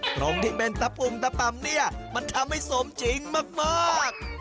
ตรงที่เป็นตะปุ่มตะป่ำเนี่ยมันทำให้สมจริงมาก